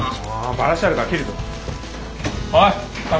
バラシあるから切るぞ。